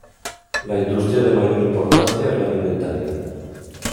La industria de mayor importancia es la alimentaria.